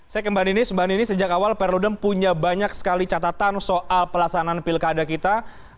saya kembali nanti sejak awal pak rudem punya banyak sekali catatan soal pelaksanaan pilkada kita